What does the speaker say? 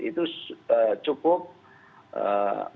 itu cukup membuat berita